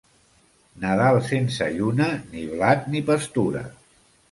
Nadal sense lluna, ni blat, ni pastura.